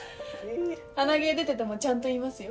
鼻毛出ててもちゃんと言いますよ。